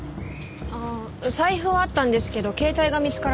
ああ財布はあったんですけど携帯が見つからなくて。